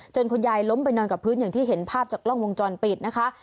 คุณยายล้มไปนอนกับพื้นอย่างที่เห็นภาพจากกล้องวงจรปิดนะคะ